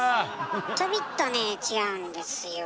ちょびっとね違うんですよ。